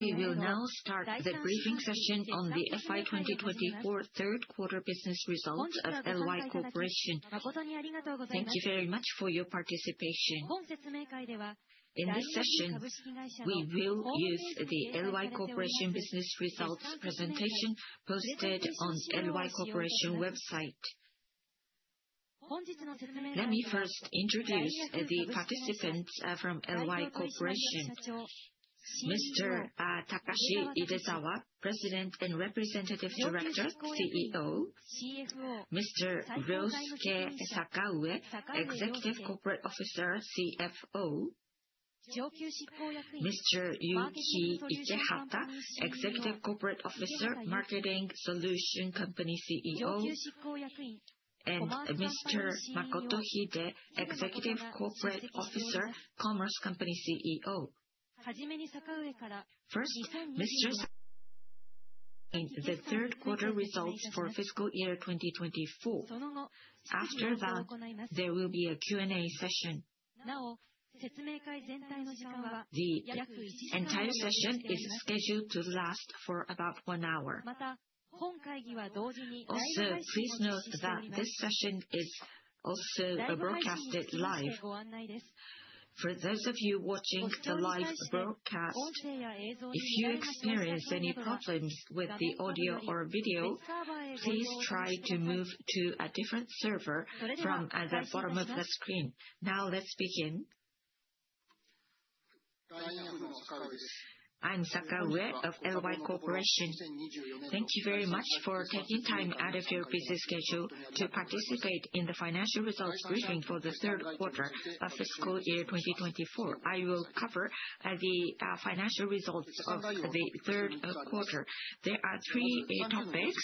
We will now start the briefing session on the FY 2024 Q3 Business Results of LY Corporation. Thank you very much for your participation. In this session, we will use the LY Corporation business results presentation posted on LY Corporation's website. Let me first introduce the participants from LY Corporation: Mr. Takeshi Idezawa, President and Representative Director, CEO; Mr. Ryosuke Sakaue, Executive Corporate Officer, CFO; Mr. Yuki Ikehata, Executive Corporate Officer, Marketing Solution Company CEO; and Mr. Makoto Hide, Executive Corporate Officer, Commerce Company CEO. Now, in the third quarter results for fiscal year 2024, after that there will be a Q&A session. The entire session is scheduled to last for about one hour, but please note that this session is also broadcast live. For those of you watching the live broadcast, if you experience any problems with the audio or video, please try to move to a different server from the bottom of the screen. Now, let's begin. I'm Sakaue of LY Corporation. Thank you very much for taking time out of your busy schedule to participate in the financial results briefing for the third quarter of fiscal year 2024. I will cover the financial results of the third quarter. There are three topics.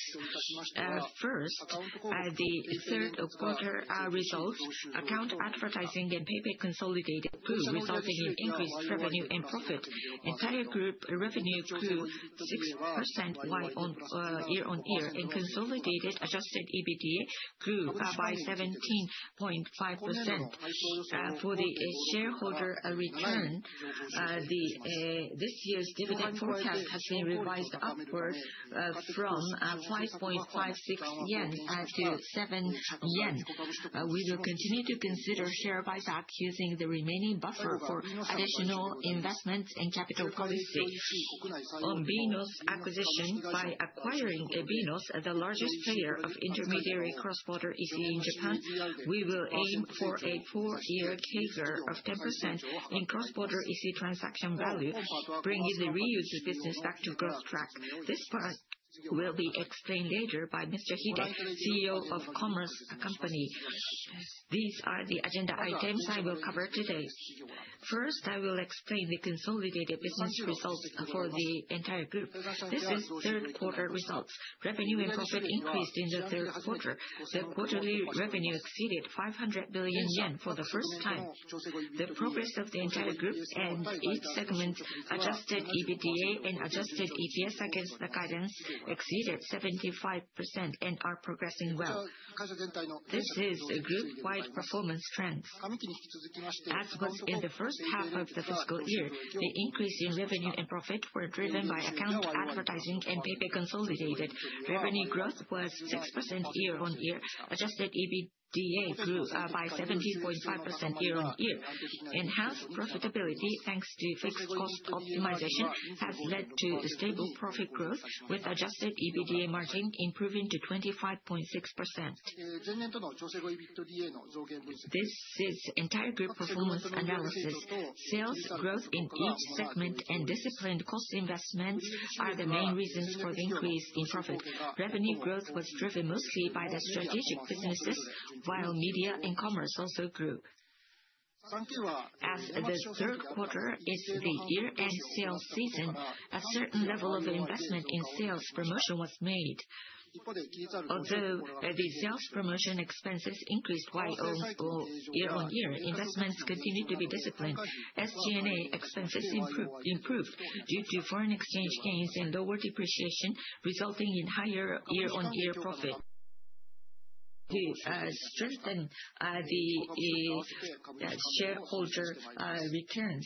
First, the third quarter results: ad account advertising and PayPay consolidated grew, resulting in increased revenue and profit. The entire group revenue grew 6% year-on-year, and consolidated adjusted EBITDA grew by 17.5%. For the shareholder return, this year's dividend forecast has been revised upward from 5.56 yen to 7 yen. We will continue to consider share buyback using the remaining buffer for additional investment and capital policy. On BEENOS acquisition, by acquiring BEENOS, the largest player of intermediary cross-border EC in Japan, we will aim for a four-year CAGR of 10% in cross-border EC transaction value, bringing the reused business back to growth track. This part will be explained later by Mr. Hide, CEO of Commerce Company. These are the agenda items I will cover today. First, I will explain the consolidated business results for the entire group. This is third quarter results. Revenue and profit increased in the third quarter. The quarterly revenue exceeded 500 billion yen for the first time. The progress of the entire group and each segment, adjusted EBITDA and adjusted EPS against the guidance, exceeded 75% and are progressing well. This is group-wide performance trends. As was in the first half of the fiscal year, the increase in revenue and profit was driven by account advertising and PayPay consolidated. Revenue growth was 6% year-on-year. Adjusted EBITDA grew by 17.5% year-on-year. Enhanced profitability thanks to fixed cost optimization has led to stable profit growth, with adjusted EBITDA margin improving to 25.6%. This is entire group performance analysis. Sales growth in each segment and disciplined cost investments are the main reasons for the increase in profit. Revenue growth was driven mostly by the strategic businesses, while media and commerce also grew. As the third quarter is the year-end sales season, a certain level of investment in sales promotion was made. Although the sales promotion expenses increased year-on-year, investments continued to be disciplined. SG&A expenses improved due to foreign exchange gains and lower depreciation, resulting in higher year-on-year profit. To strengthen the shareholder return,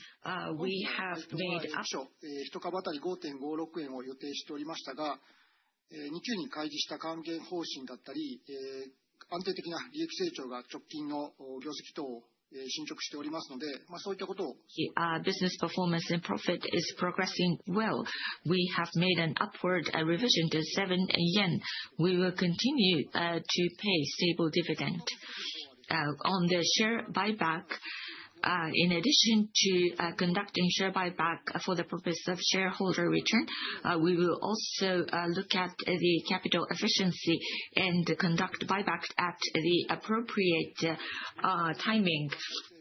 we have made. 当初、1株当たり5.56円を予定しておりましたが、日中に開示した還元方針だったり、安定的な利益成長が直近の業績等を進捗しておりますので、そういったことを。The business performance and profit is progressing well. We have made an upward revision to 7 yen. We will continue to pay stable dividend. On the share buyback, in addition to conducting share buyback for the purpose of shareholder return, we will also look at the capital efficiency and conduct buyback at the appropriate timing.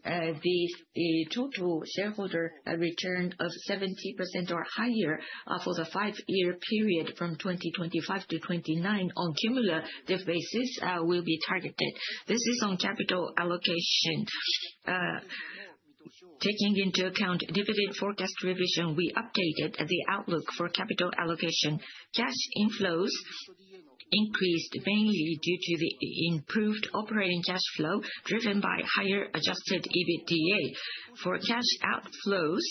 The total shareholder return of 70% or higher for the five-year period from 2025 to 2029 on a cumulative basis will be targeted. This is on capital allocation. Taking into account dividend forecast revision, we updated the outlook for capital allocation. Cash inflows increased mainly due to the improved operating cash flow driven by higher adjusted EBITDA. For cash outflows,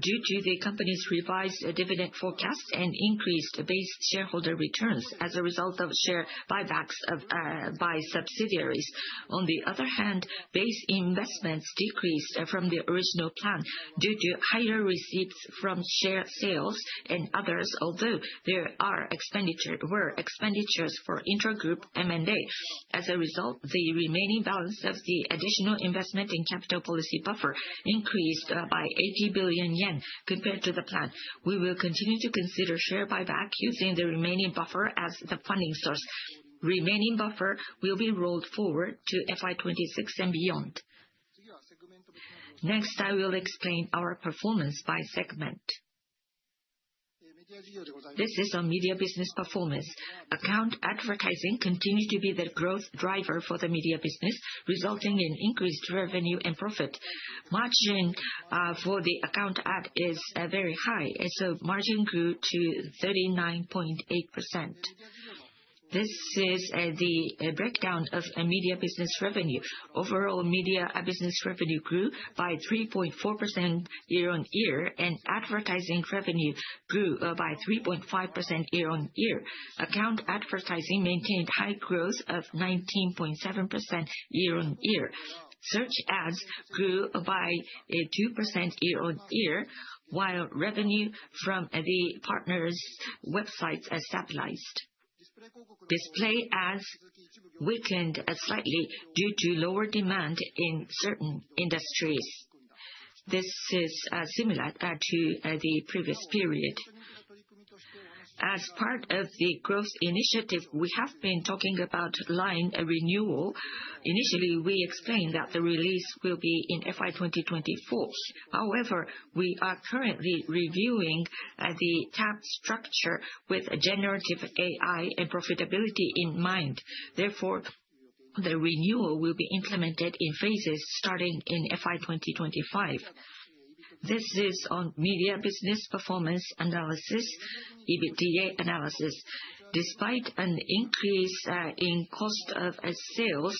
due to the company's revised dividend forecast and increased base shareholder returns as a result of share buybacks by subsidiaries. On the other hand, base investments decreased from the original plan due to higher receipts from share sales and others, although there were expenditures for inter-group M&A. As a result, the remaining balance of the additional investment and capital policy buffer increased by 80 billion yen compared to the plan. We will continue to consider share buyback using the remaining buffer as the funding source. Remaining buffer will be rolled forward to FY 26 and beyond. Next, I will explain our performance by segment. This is on media business performance. Account advertising continues to be the growth driver for the media business, resulting in increased revenue and profit. Margin for the account ad is very high, so margin grew to 39.8%. This is the breakdown of media business revenue. Overall, media business revenue grew by 3.4% year-on-year, and advertising revenue grew by 3.5% year-on-year. Account advertising maintained high growth of 19.7% year-on-year. Search ads grew by 2% year-on-year, while revenue from the partners' websites stabilized. Display ads weakened slightly due to lower demand in certain industries. This is similar to the previous period. As part of the growth initiative, we have been talking about LINE renewal. Initially, we explained that the release will be in FY 2024. However, we are currently reviewing the tab structure with generative AI and profitability in mind. Therefore, the renewal will be implemented in phases starting in FY 2025. This is on media business performance analysis, EBITDA analysis. Despite an increase in cost of sales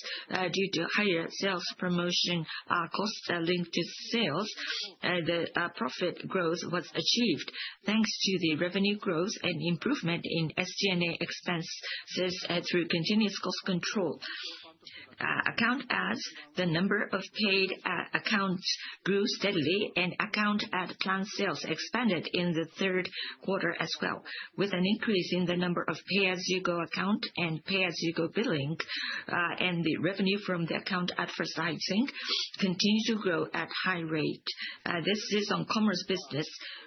due to higher sales promotion costs linked to sales, the profit growth was achieved thanks to the revenue growth and improvement in SG&A expenses through continuous cost control. Account ads, the number of paid accounts grew steadily, and account ad plan sales expanded in the third quarter as well, with an increase in the number of pay-as-you-go accounts and pay-as-you-go billing, and the revenue from the account advertising continued to grow at a high rate. This is on commerce business.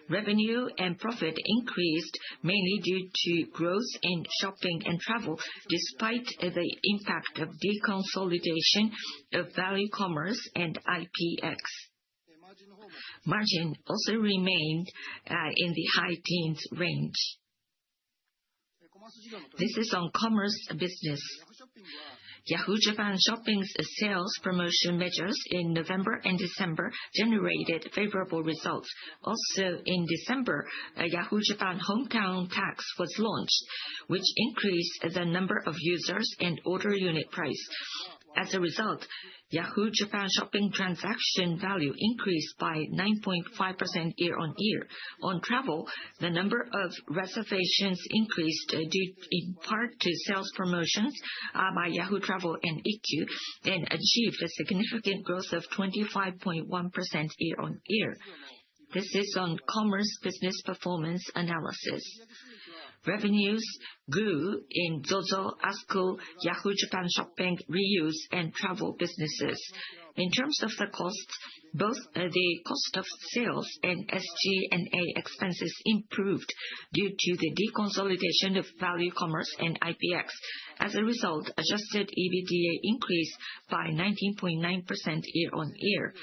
Revenue and profit increased mainly due to growth in shopping and travel, despite the impact of deconsolidation of ValueCommerce and IPX. Margin also remained in the high teens range. This is on commerce business. Yahoo! Japan Shopping's sales promotion measures in November and December generated favorable results. Also, in December, Yahoo! Japan Hometown Tax was launched, which increased the number of users and order unit price. As a result, Yahoo! Japan Shopping transaction value increased by 9.5% year-on-year. On travel, the number of reservations increased in part to sales promotions by Yahoo! Travel and Ikkyu, and achieved a significant growth of 25.1% year-on-year. This is on commerce business performance analysis. Revenues grew in ZOZO, ASKUL, Yahoo! Japan Shopping, Reuse, and Travel businesses. In terms of the costs, both the cost of sales and SG&A expenses improved due to the deconsolidation of ValueCommerce and IPX. As a result, Adjusted EBITDA increased by 19.9% year-on-year.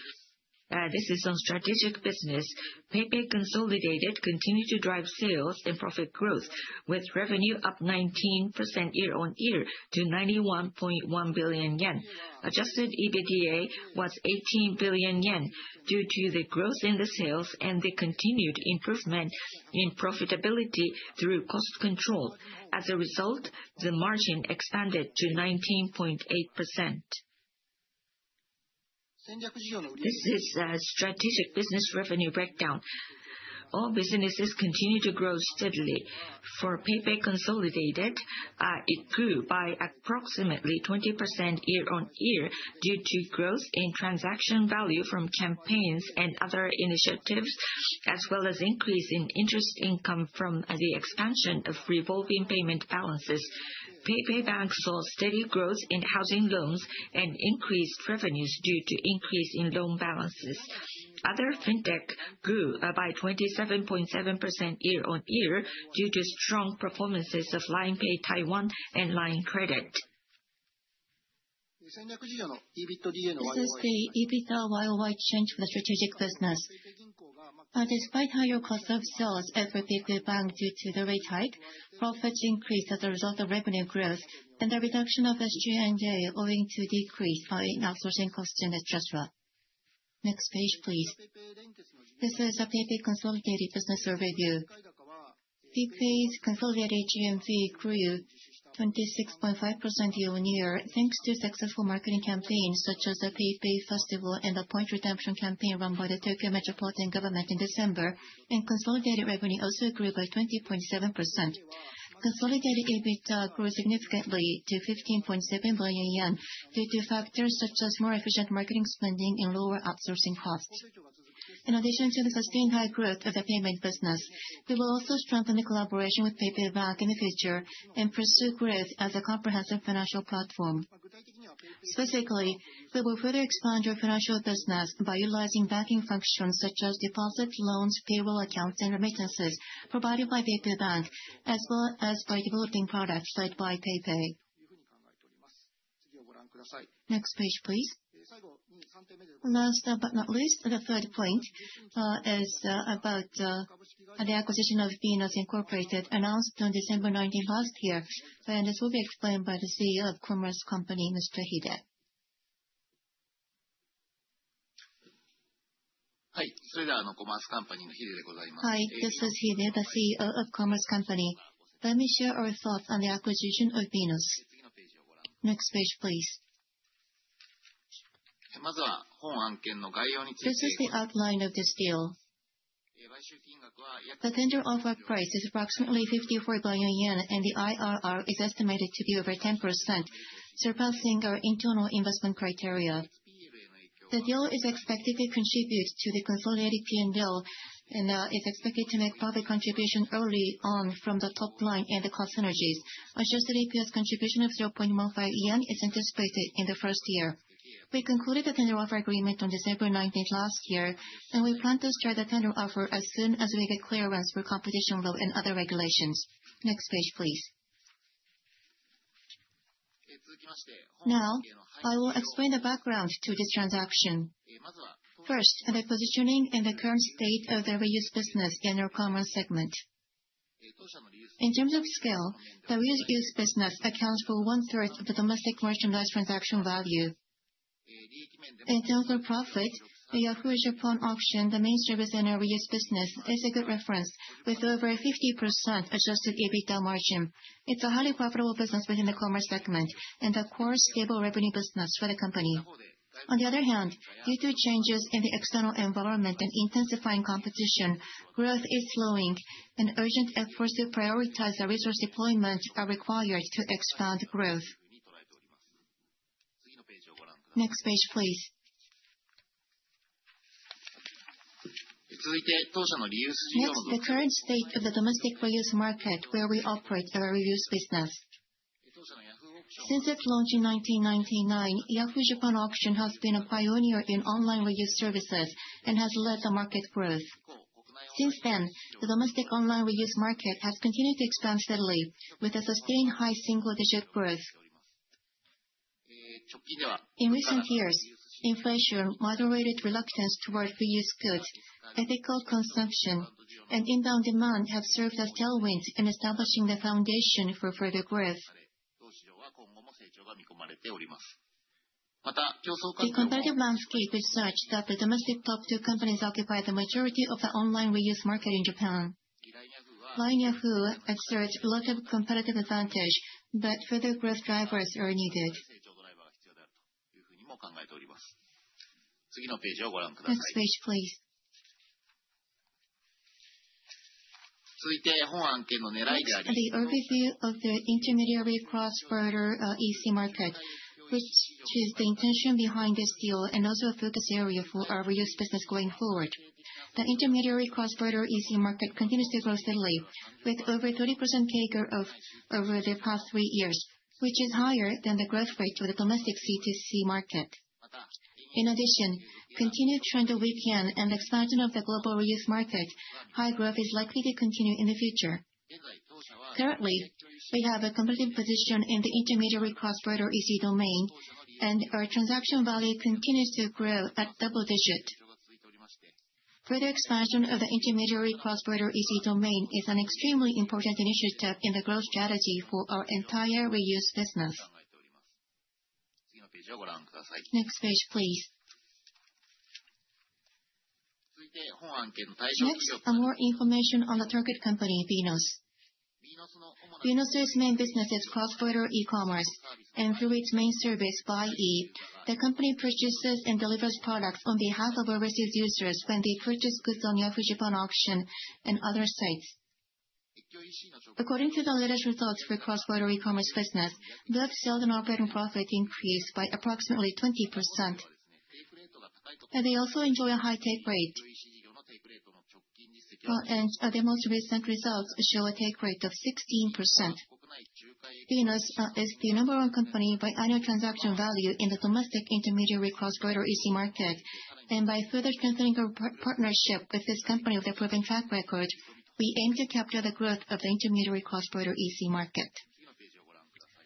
This is on strategic business. PayPay Corporation continued to drive sales and profit growth, with revenue up 19% year-on-year to 91.1 billion yen. Adjusted EBITDA was 18 billion yen due to the growth in the sales and the continued improvement in profitability through cost control. As a result, the margin expanded to 19.8%. This is strategic business revenue breakdown. All businesses continued to grow steadily. For PayPay Corporation, it grew by approximately 20% year-on-year due to growth in transaction value from campaigns and other initiatives, as well as increase in interest income from the expansion of revolving payment balances. PayPay Bank saw steady growth in housing loans and increased revenues due to increase in loan balances. Other fintech grew by 27.7% year-on-year due to strong performances of LINE Pay Taiwan and LINE Credit. This is the EBITDA YOY change for the strategic business. Despite higher cost of sales at PayPay Bank due to the rate hike, profits increased as a result of revenue growth and the reduction of SG&A owing to decrease by outsourcing costs and etc. Next page, please. This is a PayPay consolidated business overview. PayPay consolidated GMV grew 26.5% year-on-year thanks to successful marketing campaigns such as the PayPay Festival and the point redemption campaign run by the Tokyo Metropolitan Government in December, and consolidated revenue also grew by 20.7%. Consolidated EBITDA grew significantly to 15.7 billion yen due to factors such as more efficient marketing spending and lower outsourcing costs. In addition to the sustained high growth of the payment business, we will also strengthen the collaboration with PayPay Bank in the future and pursue growth as a comprehensive financial platform. Specifically, we will further expand our financial business by utilizing banking functions such as deposits, loans, payroll accounts, and remittances provided by PayPay Bank, as well as by developing products led by PayPay. Next page, please. Last but not least, the third point is about the acquisition of BEENOS Inc. announced on December 19 last year, and this will be explained by the CEO of Commerce Company, Mr. Hide. はい、それではコマースカンパニーのヒデでございます。Hi, this is Hide, the CEO of Commerce Company. Let me share our thoughts on the acquisition of BEENOS. Next page, please. まずは本案件の概要について。This is the outline of this deal. The tender offer price is approximately 54 billion yen, and the IRR is estimated to be over 10%, surpassing our internal investment criteria. The deal is expected to contribute to the consolidated P&L and is expected to make a profit contribution early on from the top line and the cost synergies. Adjusted EPS contribution of 0.15 yen is anticipated in the first year. We concluded the tender offer agreement on December 19 last year, and we plan to start the tender offer as soon as we get clearance for competition law and other regulations. Next page, please. Now, I will explain the background to this transaction. First, the positioning and the current state of the reuse business in our commerce segment. In terms of scale, the reuse business accounts for one-third of the domestic merchandise transaction value. In terms of profit, Yahoo! Japan Auction, the main service in our reuse business, is a good reference with over 50% Adjusted EBITDA margin. It's a highly profitable business within the commerce segment and a core stable revenue business for the company. On the other hand, due to changes in the external environment and intensifying competition, growth is slowing, and urgent efforts to prioritize the resource deployment are required to expand growth. Next page, please. 次に、当社のリユース事業の。This is the current state of the domestic reuse market where we operate our reuse business. Since its launch in 1999, Yahoo! Japan Auction has been a pioneer in online reuse services and has led the market growth. Since then, the domestic online reuse market has continued to expand steadily, with a sustained high single-digit growth. In recent years, inflation, moderated reluctance toward reused goods, ethical consumption, and inbound demand have served as tailwinds in establishing the foundation for further growth. また、The competitive landscape is such that the domestic top two companies occupy the majority of the online reuse market in Japan. LINE Yahoo exerts a lot of competitive advantage, but further growth drivers are needed. 次のページをご覧ください。Next page, please. 続いて、本案件の狙いである。The overview of the intermediary cross-border EC market, which is the intention behind this deal and also a focus area for our reuse business going forward. The intermediary cross-border EC market continues to grow steadily, with over 30% CAGR over the past three years, which is higher than the growth rate of the domestic C2C market. In addition, continued trend of weak yen and the expansion of the global reuse market, high growth is likely to continue in the future. Currently, we have a competitive position in the intermediary cross-border EC domain, and our transaction value continues to grow at double digits. Further expansion of the intermediary cross-border EC domain is an extremely important initiative in the growth strategy for our entire reuse business. Next page, please. 次に、For more information on the target company, BEENOS. BEENOS's main business is cross-border e-commerce, and through its main service, Buyee, the company purchases and delivers products on behalf of overseas users when they purchase goods on Yahoo! Japan Auction and other sites. According to the latest results for cross-border e-commerce business, both sales and operating profit increased by approximately 20%. They also enjoy a high take rate, and the most recent results show a take rate of 16%. BEENOS is the number one company by annual transaction value in the domestic intermediary cross-border EC market, and by further strengthening our partnership with this company with a proven track record, we aim to capture the growth of the intermediary cross-border EC market.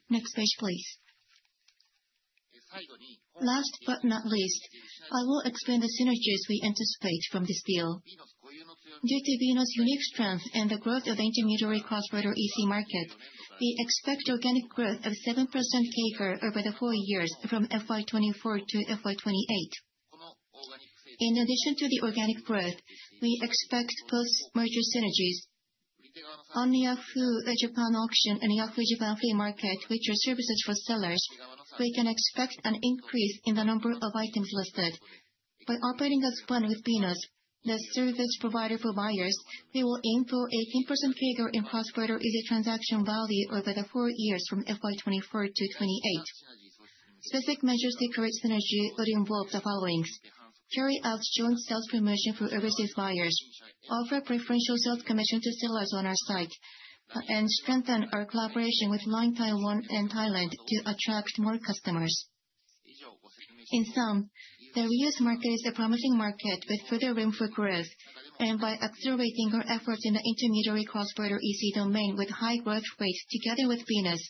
Next page, please. Last but not least, I will explain the synergies we anticipate from this deal. Due to BEENOS's unique strength and the growth of the intermediary cross-border EC market, we expect organic growth of 7% CAGR over the four years from FY24 to FY28. In addition to the organic growth, we expect post-merger synergies. On the Yahoo! Japan Auction and Yahoo! Japan Flea Market, which are services for sellers, we can expect an increase in the number of items listed. By operating as one with BEENOS, the service provider for buyers, we will aim for 18% CAGR in cross-border EC transaction value over the four years from FY24 to FY28. Specific measures to create synergy would involve the following: carry out joint sales promotion for overseas buyers, offer preferential sales commission to sellers on our site, and strengthen our collaboration with LINE Taiwan and Thailand to attract more customers. In sum, the reuse market is a promising market with further room for growth, and by accelerating our efforts in the intermediary cross-border EC domain with high growth rates, together with BEENOS,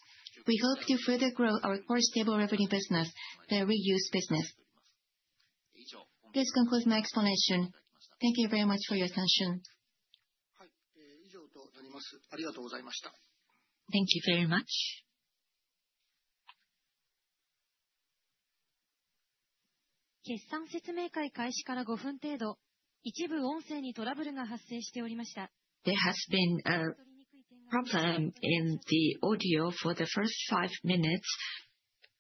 we hope to further grow our core stable revenue business, the reuse business. This concludes my explanation. Thank you very much for your attention. 結算説明会開始から5分程度、一部音声にトラブルが発生しておりました. There has been a problem in the audio for the first five minutes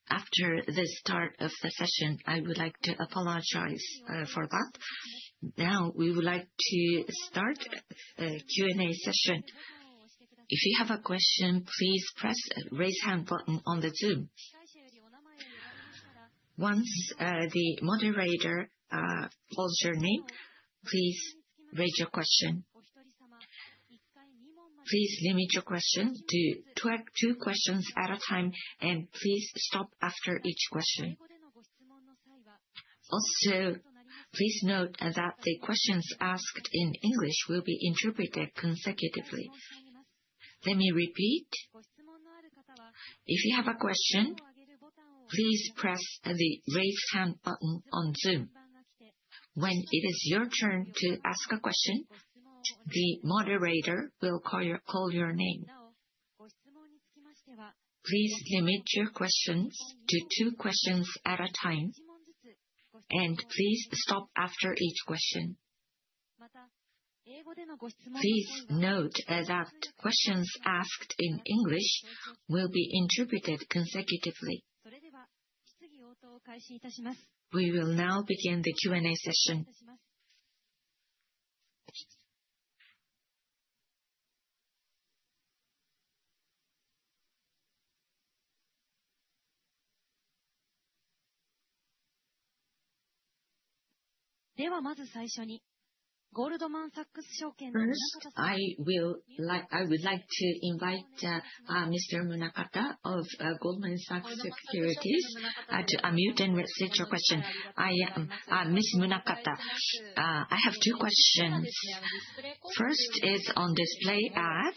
after the start of the session. I would like to apologize for that. Now, we would like to start the Q&A session. If you have a question, please press the raise hand button on Zoom. Once the moderator calls your name, please raise your question. Please limit your question to two questions at a time, and please stop after each question. Also, please note that the questions asked in English will be interpreted consecutively. Let me repeat. If you have a question, please press the raise hand button on Zoom. When it is your turn to ask a question, the moderator will call your name. Please limit your questions to two questions at a time, and please stop after each question. Please note that questions asked in English will be interpreted consecutively. それでは、質疑応答を開始いたします。We will now begin the Q&A session. ではまず最初に、ゴールドマンサックス証券の村方様。I would like to invite Ms. Munakata. Munakata of Goldman Sachs to unmute and repeat your question. I am Ms. Munakata. I have two questions. First is on display ad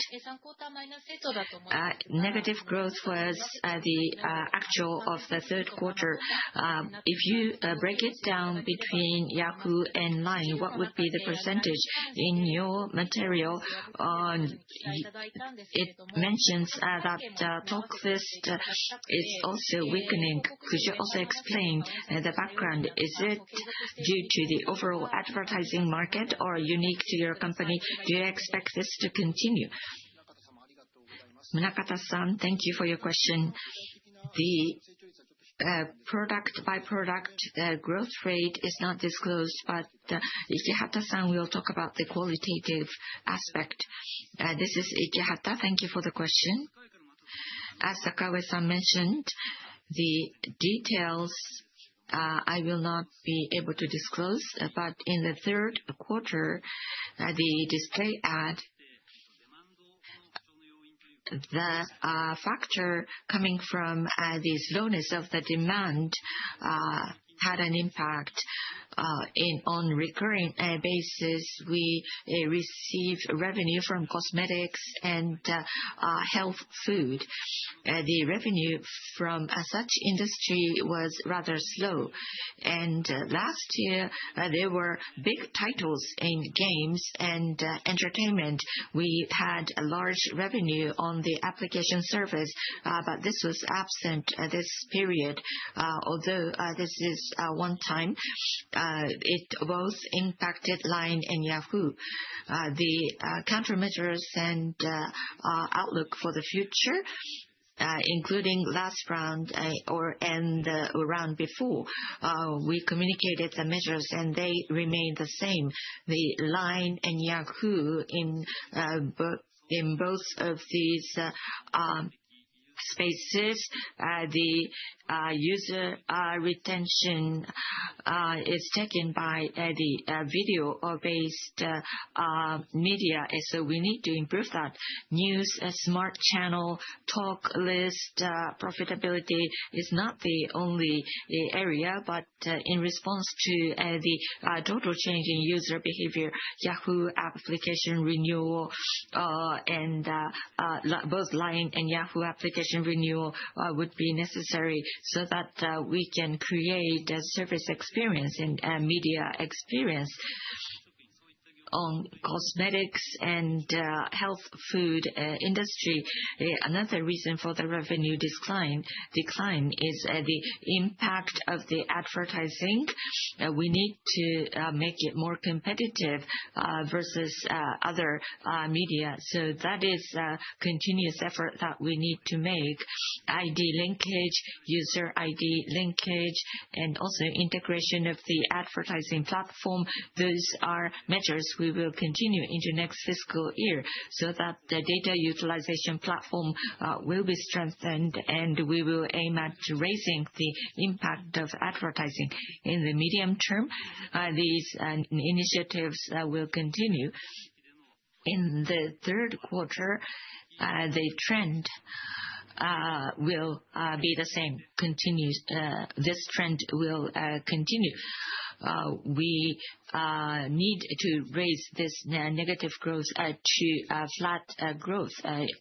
negative growth. What is the actual of the third quarter? If you break it down between Yahoo and LINE, what would be the percentage? In your material, it mentions that Talk List is also weakening. Could you also explain the background? Is it due to the overall advertising market or unique to your company? Do you expect this to continue? Munakata-san, thank you for your question. The product-by-product growth rate is not disclosed, but Ikehata-san will talk about the qualitative aspect. This is Ikehata-san. Thank you for the question. As Sakaue-san mentioned, the details I will not be able to disclose, but in the third quarter, the display ad, the factor coming from the slowness of the demand had an impact on a recurring basis. We received revenue from cosmetics and health food. The revenue from such industry was rather slow, and last year, there were big titles in games and entertainment. We had a large revenue on the application service, but this was absent this period. Although this is one time, it both impacted LINE and Yahoo. The countermeasures and outlook for the future, including last round or the round before, we communicated the measures, and they remain the same. The LINE and Yahoo in both of these spaces, the user retention is taken by the video-based media, so we need to improve that. News Smart Channel, Talk List, profitability is not the only area, but in response to the total change in user behavior, Yahoo application renewal, and both LINE and Yahoo application renewal would be necessary so that we can create a service experience and media experience. On cosmetics and health food industry, another reason for the revenue decline is the impact of the advertising. We need to make it more competitive versus other media. So that is a continuous effort that we need to make: ID linkage, user ID linkage, and also integration of the advertising platform. Those are measures we will continue into next fiscal year so that the data utilization platform will be strengthened, and we will aim at raising the impact of advertising in the medium term. These initiatives will continue. In the third quarter, the trend will be the same. This trend will continue. We need to raise this negative growth to flat growth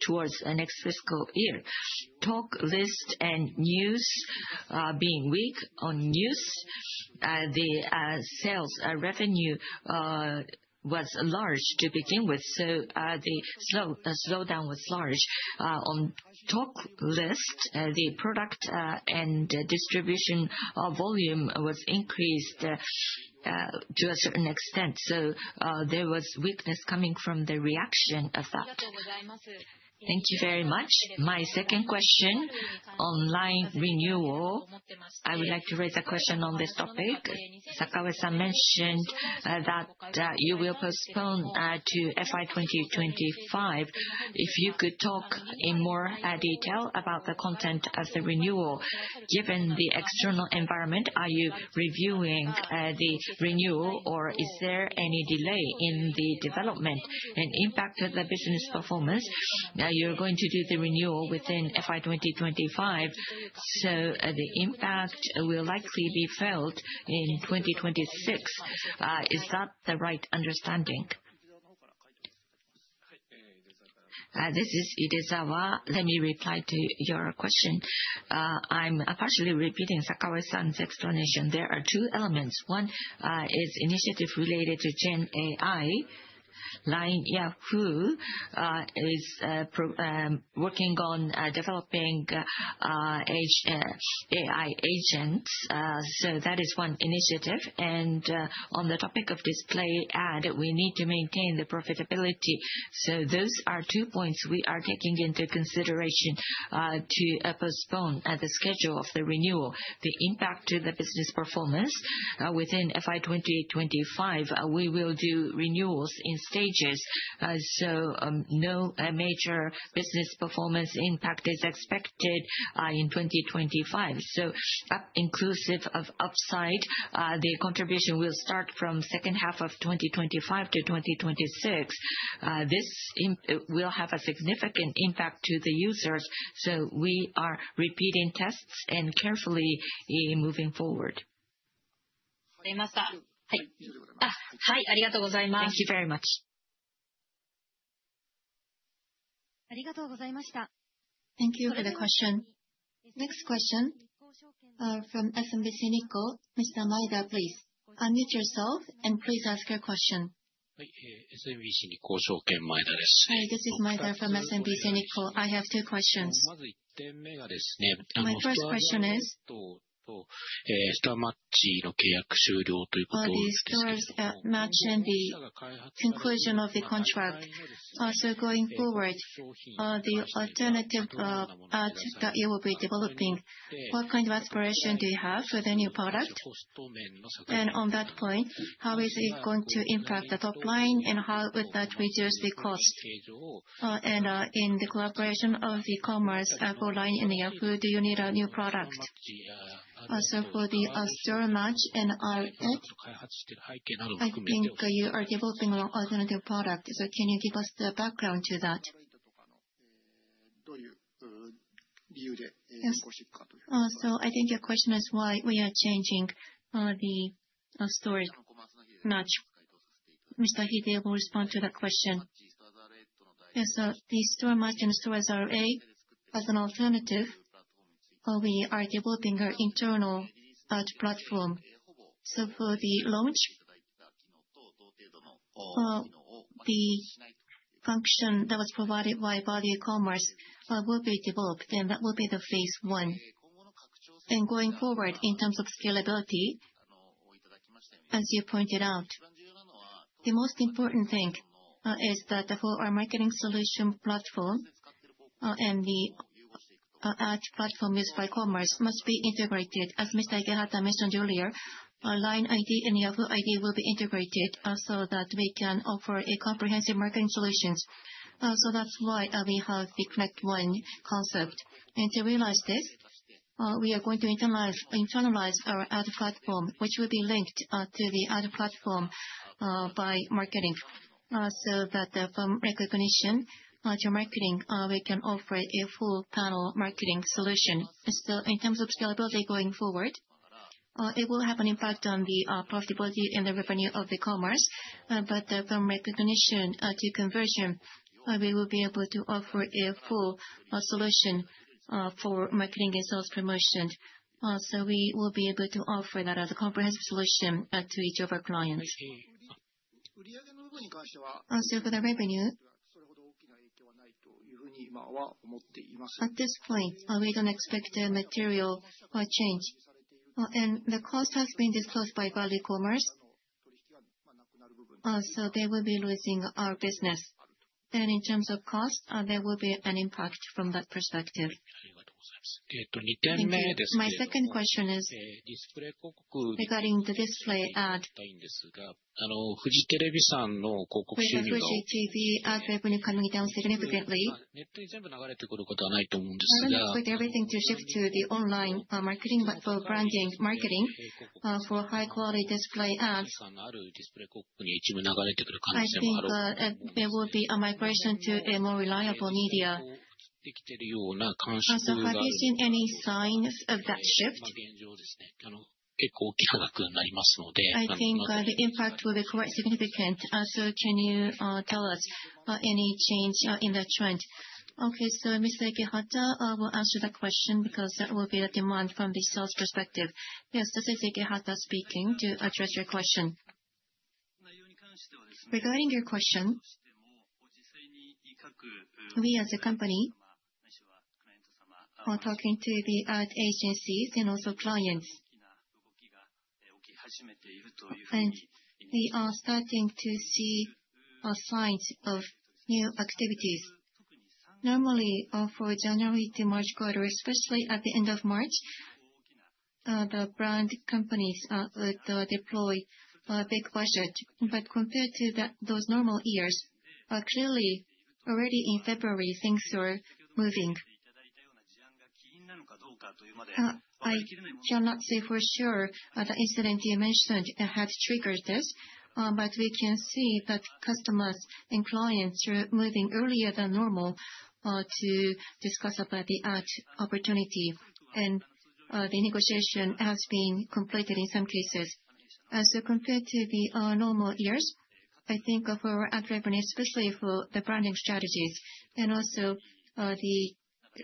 towards next fiscal year. Talk List and News being weak on News. The sales revenue was large to begin with, so the slowdown was large. On Talk List, the product and distribution volume was increased to a certain extent. So there was weakness coming from the reaction of that. Thank you very much. My second question on LINE renewal. I would like to raise a question on this topic. Sakaue-san mentioned that you will postpone to FY2025. If you could talk in more detail about the content of the renewal? Given the external environment, are you reviewing the renewal, or is there any delay in the development and impact of the business performance? Now, you're going to do the renewal within FY2025, so the impact will likely be felt in 2026. Is that the right understanding? This is Idesawa. Let me reply to your question. I'm partially repeating Sakaue-san's explanation. There are two elements. One is initiative related to GenAI. LINE Yahoo is working on developing AI agents. So that is one initiative. On the topic of display ad, we need to maintain the profitability. So those are two points we are taking into consideration to postpone the schedule of the renewal. The impact to the business performance within FY2025, we will do renewals in stages. So no major business performance impact is expected in 2025. So inclusive of upside, the contribution will start from second half of 2025 to 2026. This will have a significant impact to the users. So we are repeating tests and carefully moving forward. ありがとうございます。Thank you very much. ありがとうございました。Thank you for the question. Next question from SMBC Nikko, Mr. Maeda, please. Unmute yourself and please ask your question. Hi, this is Maeda from SMBC Nikko. I have two questions. My first question is スターマッチの契約終了ということを聞きました。I heard that the StoreMatch contract is ending. Also, going forward, the alternative ad that you will be developing, what kind of aspiration do you have for the new product? And on that point, how is it going to impact the top line, and how would that reduce the cost? And in the collaboration of e-commerce for LINE and Yahoo, do you need a new product? Also, for the StoreMatch and R∞, I think you are developing an alternative product. So can you give us the background to that? So I think your question is why we are changing the StoreMatch. Mr. Hide will respond to that question. Yes, the StoreMatch and the STORE's R∞ as an alternative, we are developing our internal ad platform. So for the launch, the function that was provided by ValueCommerce will be developed, and that will be the phase one. And going forward, in terms of scalability, as you pointed out, the most important thing is that for our marketing solution platform and the ad platform used by commerce must be integrated. As Mr. Ikehata mentioned earlier, LINE ID and Yahoo ID will be integrated so that we can offer a comprehensive marketing solution. So that's why we have the Connect One concept. And to realize this, we are going to internalize our ad platform, which will be linked to the ad platform by marketing. So that from recognition to marketing, we can offer a full-funnel marketing solution. So in terms of scalability going forward, it will have an impact on the profitability and the revenue of the commerce. But from recognition to conversion, we will be able to offer a full solution for marketing and sales promotion. So we will be able to offer that as a comprehensive solution to each of our clients. So for the revenue, at this point, we don't expect a material change. And the cost has been disclosed by ValueCommerce. So they will be losing our business. And in terms of cost, there will be an impact from that perspective. My second question is regarding the display ad. Fuji TV さんの広告収入が全部流れてくることはないと思うんですが、I'm going to put everything to shift to the online marketing for branding marketing for high-quality display ads. I think there will be a migration to a more reliable media. So have you seen any signs of that shift? I think the impact will be quite significant. So can you tell us any change in that trend? Okay, so Mr. Ikehata, I will answer that question because that will be the demand from the sales perspective. Yes, this is Ikehata speaking to address your question. Regarding your question, we as a company are talking to the ad agencies and also clients. We are starting to see signs of new activities. Normally, for January to March quarter, especially at the end of March, the brand companies would deploy big budgets, but compared to those normal years, clearly, already in February, things are moving. I cannot say for sure the incident you mentioned had triggered this, but we can see that customers and clients are moving earlier than normal to discuss about the ad opportunity, and the negotiation has been completed in some cases, so compared to the normal years, I think for ad revenue, especially for the branding strategies and also the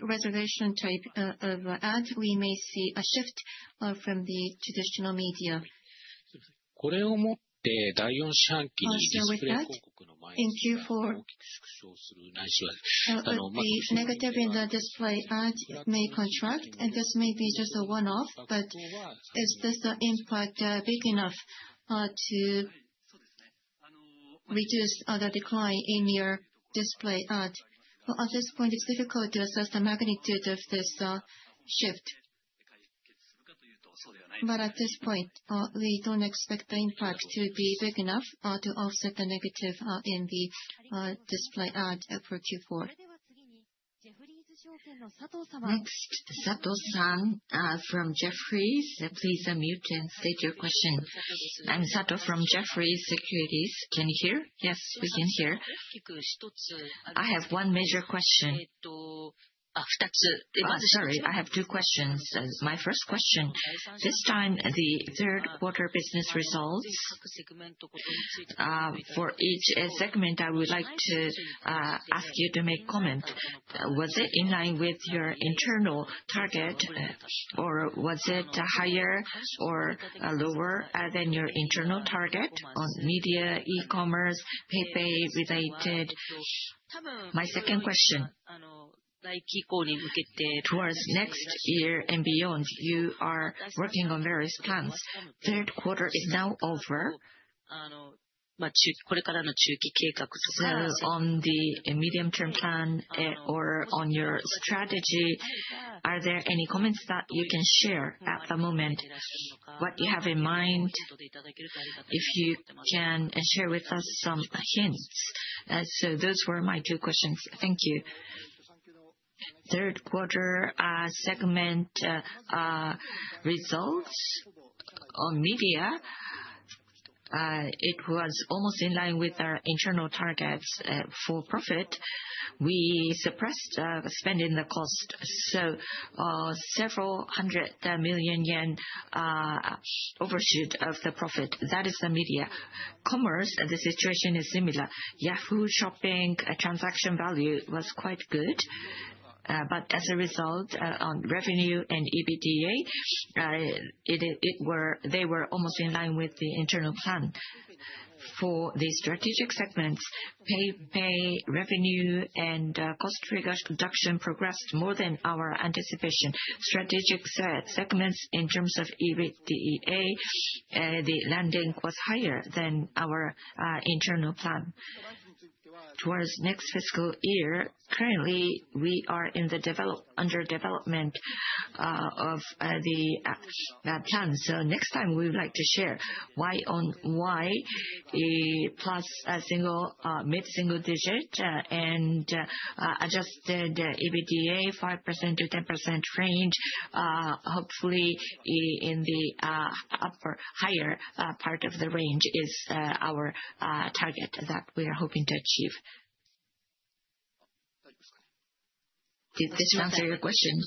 reservation type of ad, we may see a shift from the traditional media. The negative in the display ad may contract, and this may be just a one-off, but is this impact big enough to reduce the decline in your display ad? At this point, it's difficult to assess the magnitude of this shift. But at this point, we don't expect the impact to be big enough to offset the negative in the display ad for Q4. Next, Sato-san from Jefferies, please unmute and state your question. I'm Sato from Jefferies Securities. Can you hear? Yes, we can hear. I have one major question. Sorry, I have two questions. My first question, this time, the third quarter business results, for each segment, I would like to ask you to make a comment. Was it in line with your internal target, or was it higher or lower than your internal target on media, e-commerce, PayPay related? My second question, towards next year and beyond, you are working on various plans. Third quarter is now over, so on the medium-term plan or on your strategy, are there any comments that you can share at the moment? What do you have in mind? If you can share with us some hints. So those were my two questions. Thank you. Third quarter segment results on media, it was almost in line with our internal targets for profit. We suppressed spending the cost, so several hundred million JPY overshoot of the profit. That is the media. Commerce, the situation is similar. Yahoo shopping transaction value was quite good, but as a result, on revenue and EBITDA, they were almost in line with the internal plan. For the strategic segments, PayPay revenue and cost reduction progressed more than our anticipation. strategic segments, in terms of EBITDA, the landing was higher than our internal plan. Towards next fiscal year, currently, we are under development of the plan. So next time, we would like to share why a mid-single digit and adjusted EBITDA 5%-10% range, hopefully in the upper higher part of the range, is our target that we are hoping to achieve. Did this answer your question?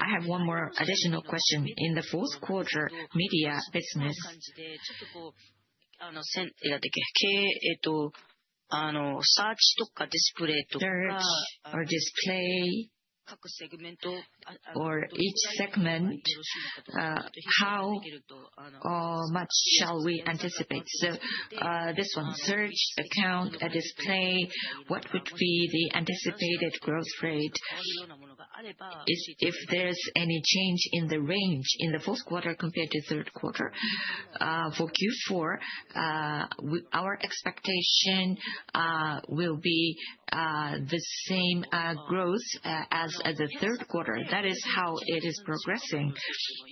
I have one more additional question. In the fourth quarter, media business, or each segment, how much shall we anticipate? So this one, search, auction, display, what would be the anticipated growth rate if there's any change in the range in the fourth quarter compared to third quarter? For Q4, our expectation will be the same growth as the third quarter. That is how it is progressing.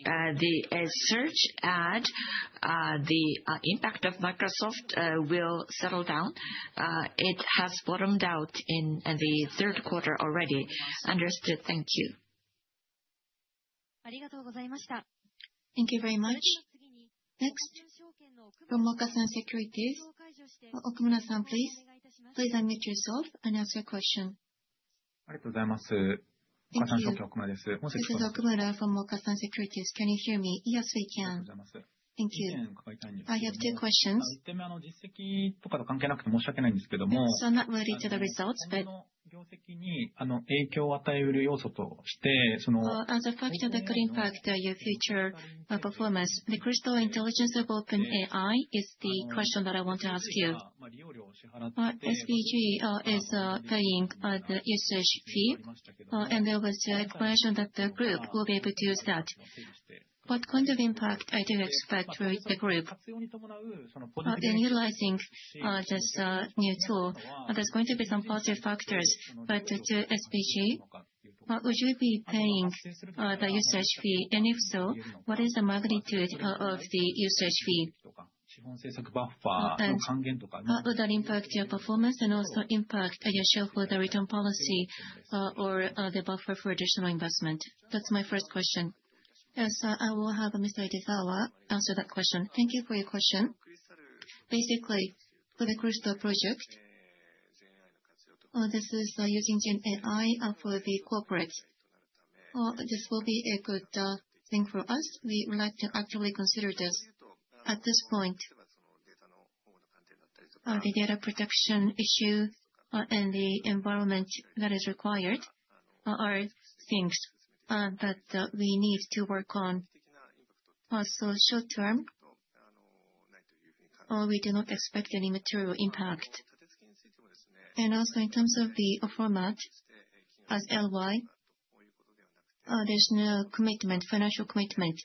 The search ad, the impact of Microsoft will settle down. It has bottomed out in the third quarter already. Understood. Thank you. Thank you very much. Next, Okasan Securities. Okumura-san, please. Please unmute yourself and ask your question. ありがとうございます。岡三証券奥村です。This is Okumura from Okasan Securities. Can you hear me? Yes, we can. Thank you. I have two questions. 一点目、実績とかと関係なくて申し訳ないんですけども It's not related to the results, but 業績に影響を与える要素として As a factor that could impact your future performance, the Crystal intelligence of OpenAI is the question that I want to ask you. LY is paying the usage fee, and there was an explanation that the group will be able to use that. What kind of impact do you expect for the group? In utilizing this new tool, there's going to be some positive factors, but to LY, would you be paying the usage fee? And if so, what is the magnitude of the usage fee? 資本政策バッファーの還元とか Would that impact your performance and also impact your shareholder return policy or the buffer for additional investment? That's my first question. Yes, I will have Mr. Idezawa answer that question. Thank you for your question. Basically, for the Crystal project, this is using GenAI for the corporates. This will be a good thing for us. We would like to actively consider this at this point. The data production issue and the environment that is required are things that we need to work on. Also, short term, we do not expect any material impact. And also, in terms of the format, as LY, there's no commitment, financial commitment.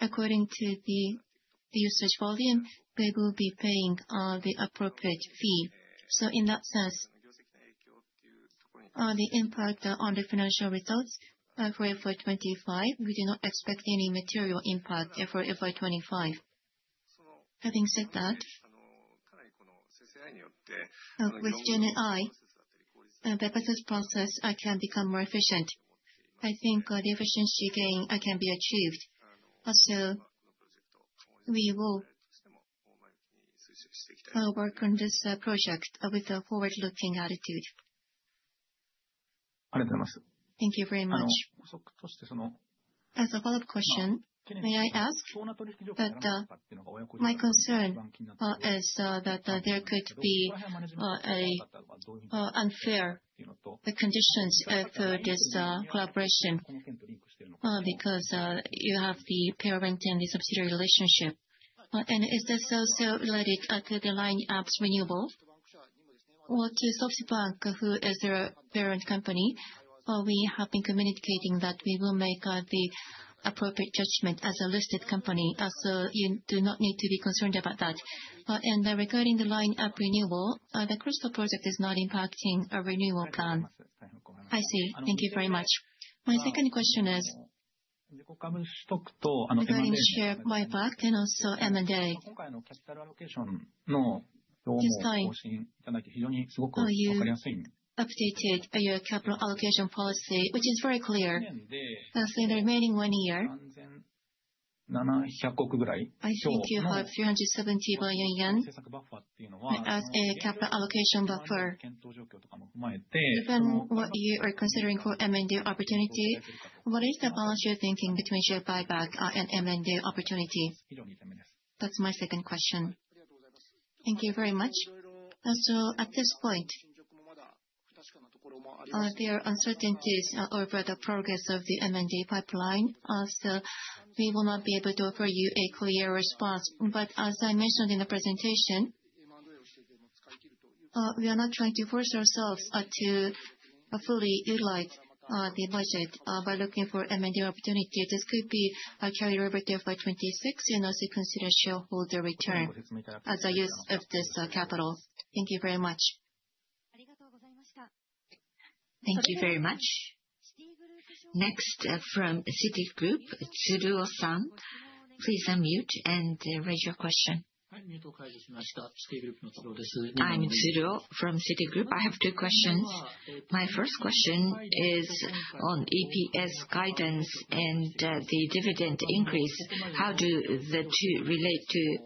According to the usage volume, we will be paying the appropriate fee. So in that sense, the impact on the financial results for FY25, we do not expect any material impact for FY25. Having said that, with GenAI, the process can become more efficient. I think the efficiency gain can be achieved. Also, we will work on this project with a forward-looking attitude. ありがとうございます。Thank you very much. 補足として、As a follow-up question, may I ask? But my concern is that there could be unfair conditions for this collaboration because you have the parent and the subsidiary relationship. And is this also related to the LINE app's renewal? Well, to SoftBank, who is our parent company, we have been communicating that we will make the appropriate judgment as a listed company. So you do not need to be concerned about that. And regarding the LINE app renewal, the Crystal project is not impacting our renewal plan. I see. Thank you very much. My second question is, M&A and share buyback, and also M&A. 今回のキャピタルアロケーションの動向をご報告いただき、非常にすごく分かりやすい。You updated your capital allocation policy, which is very clear. So in the remaining one year, about 70 billion yen. I see Q5, JPY 370 billion. Capital allocation buffer, given what you are considering for M&A opportunity, what is the balance you're thinking between share buyback and M&A opportunity? That's my second question. Thank you very much. Also, at this point, there are uncertainties over the progress of the M&A pipeline. So we will not be able to offer you a clear response. But as I mentioned in the presentation, we are not trying to force ourselves to fully utilize the budget by looking for M&A opportunity. This could be carried over to FY26 and also consider shareholder return as a use of this capital. Thank you very much. Thank you very much. Next, from Citigroup, Tsuruo-san, please unmute and raise your question. Yes, I have unmuted. This is Tsuruo from Citigroup. I'm Tsuruo from Citigroup. I have two questions. My first question is on EPS guidance and the dividend increase. How do the two relate to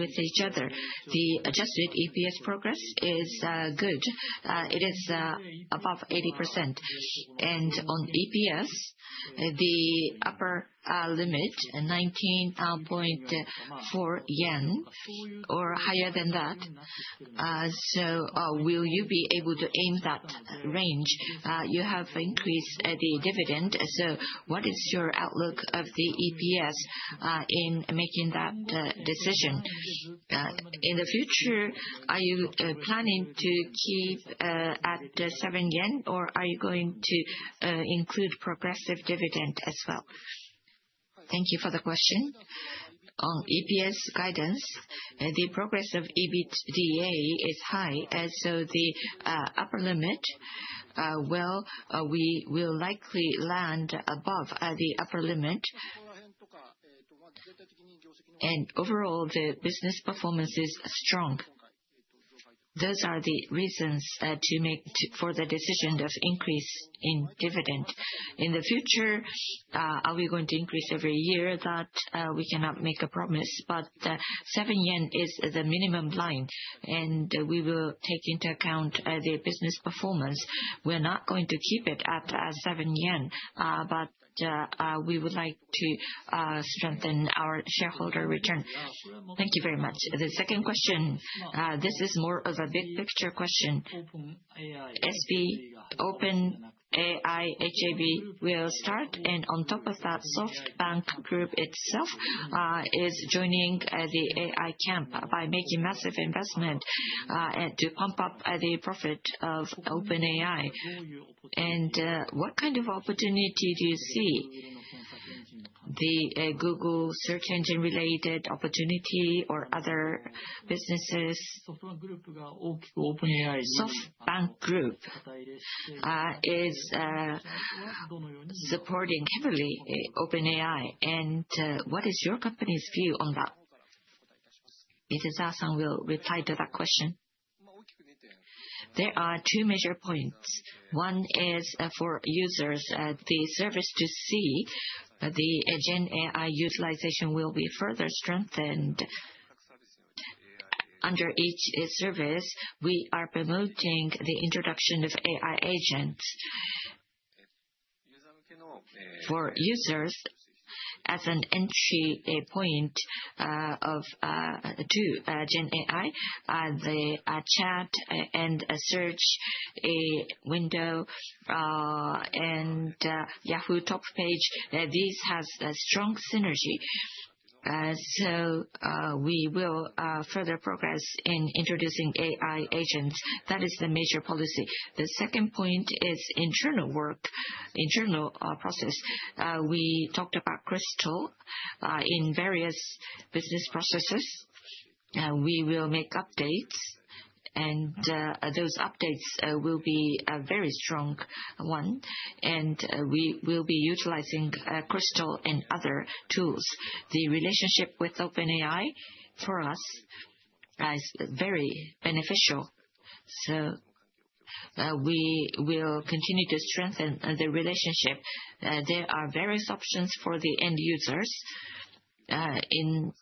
each other? The adjusted EPS progress is good. It is above 80%. And on EPS, the upper limit, 19.4 yen or higher than that, so will you be able to aim that range? You have increased the dividend. So what is your outlook of the EPS in making that decision? In the future, are you planning to keep at 7 yen, or are you going to include progressive dividend as well? Thank you for the question. On EPS guidance, the progress of EBITDA is high, so the upper limit, well, we will likely land above the upper limit. And overall, the business performance is strong. Those are the reasons for the decision of increase in dividend. In the future, are we going to increase every year? That we cannot make a promise, but 7 yen is the minimum line, and we will take into account the business performance. We're not going to keep it at 7 yen, but we would like to strengthen our shareholder return. Thank you very much. The second question, this is more of a big picture question. SB OpenAI lab will start, and on top of that, SoftBank Group itself is joining the AI camp by making massive investment to pump up the profit of OpenAI. And what kind of opportunity do you see? The Google search engine-related opportunity or other businesses? SoftBank Group is supporting heavily OpenAI, and what is your company's view on that? Mr. Ikehata will reply to that question. There are two major points. One is for users, the service to see the GenAI utilization will be further strengthened. Under each service, we are promoting the introduction of AI agents for users as an entry point to GenAI, the chat and search window, and Yahoo top page. This has a strong synergy, so we will further progress in introducing AI agents. That is the major policy. The second point is internal work, internal process. We talked about Crystal in various business processes. We will make updates, and those updates will be a very strong one, and we will be utilizing Crystal and other tools. The relationship with OpenAI, for us, is very beneficial, so we will continue to strengthen the relationship. There are various options for the end users.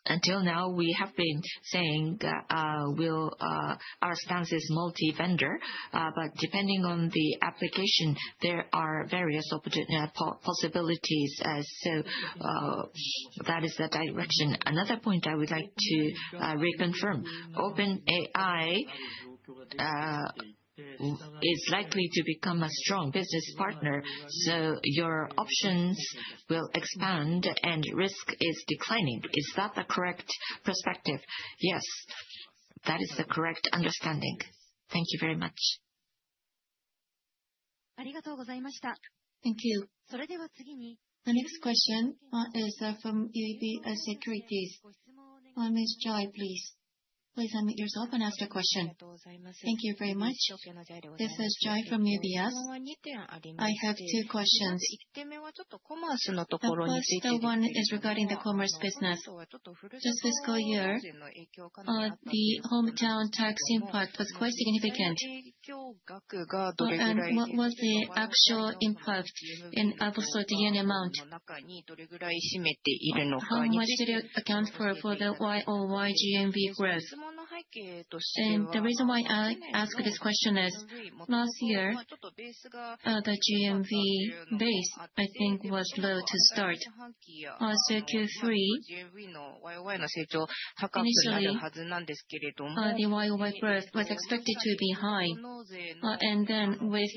Until now, we have been saying our stance is multi-vendor, but depending on the application, there are various possibilities, so that is the direction. Another point I would like to reconfirm. OpenAI is likely to become a strong business partner, so your options will expand and risk is declining. Is that the correct perspective? Yes, that is the correct understanding. Thank you very much. Thank you. それでは次に The next question is from UBS Securities. Ms.Zhai, please. Please unmute yourself and ask the question. Thank you very much. This is Zhai from UBS. I have two questions. 一つ目は The next one is regarding the commerce business. This fiscal year, the hometown tax impact was quite significant. And what was the actual impact, and also the yen amount? どれぐらい占めているのか。Account for the YOY GMV growth. And the reason why I ask this question is, last year, the GMV base, I think, was low to start. So Q3, initially, the YOY growth was expected to be high. And then with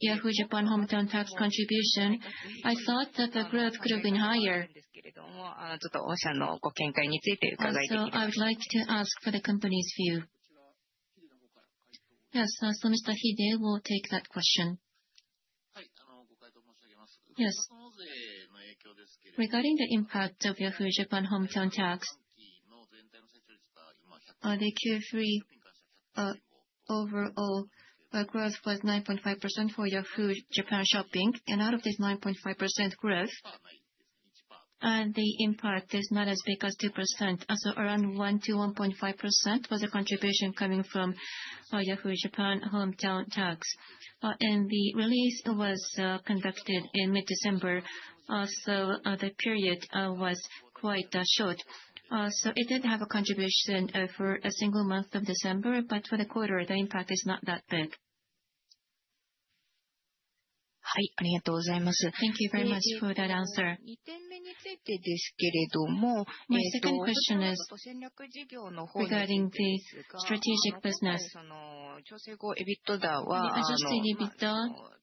Yahoo! Japan hometown tax contribution, I thought that the growth could have been higher. ちょっと御社のご見解について伺いたいです。I would like to ask for the company's view. Yes, Mr. Hide will take that question. はい、ご回答申し上げます。Yes. レガーリングの影響ですけれども Regarding the impact of Yahoo! Japan hometown tax, 今期の全体の成長率は今。The Q3 overall growth was 9.5% for Yahoo! Japan Shopping. And out of this 9.5% growth, the impact is not as big as 2%. So around 1-1.5% was the contribution coming from Yahoo! Japan hometown tax. And the release was conducted in mid-December, so the period was quite short. So it did have a contribution for a single month of December, but for the quarter, the impact is not that big. はい、ありがとうございます。Thank you very much for that answer. 2点目についてですけれども My second question is, regarding the strategic business, 私は I just think